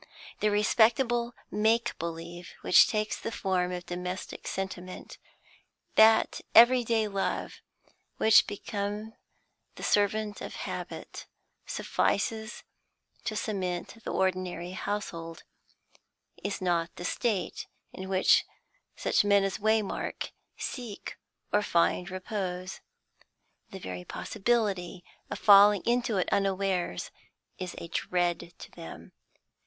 The respectable make believe which takes the form of domestic sentiment, that everyday love, which, become the servant of habit, suffices to cement the ordinary household, is not the state in which such men as Waymark seek or find repose; the very possibility of falling into it unawares is a dread to them.